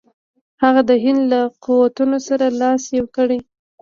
هغه د هند له قوتونو سره لاس یو کړي.